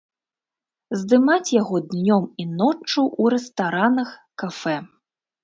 Здымаць яго днём і ноччу ў рэстаранах, кафэ?